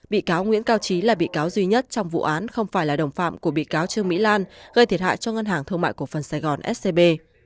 bị cáo nguyễn cao trí là bị cáo duy nhất trong vụ án không phải là đồng phạm của bị cáo trương mỹ lan gây thiệt hại cho ngân hàng thương mại cổ phần sài gòn scb